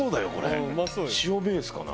塩ベースかな？